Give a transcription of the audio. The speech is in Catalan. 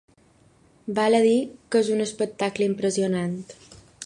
Val a dir que és un espectacle impressionant.